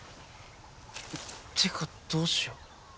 ってかどうしよう。